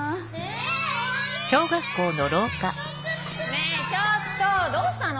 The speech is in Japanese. ねぇちょっとどうしたの？